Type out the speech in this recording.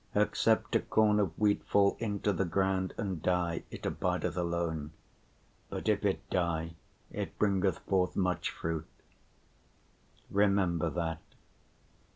'Except a corn of wheat fall into the ground and die, it abideth alone; but if it die, it bringeth forth much fruit.' Remember that.